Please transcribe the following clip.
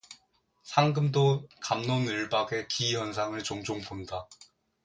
상금도 갑론을박의 기현상을 종종 본다.